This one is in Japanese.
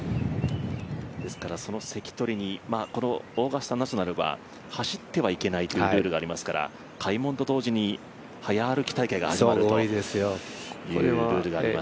その席取りに、オーガスタ・ナショナルは走ってはいけないというルールがありますから、開門と同時に早歩き大会が始まるというルールがあります。